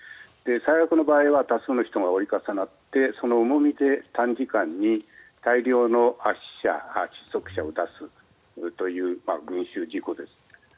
最悪の場合は多数の人が重なってその重みで短時間に大量の圧死者や窒息者を出すという群衆事故です。